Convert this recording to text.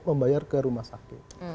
membayar ke rumah sakit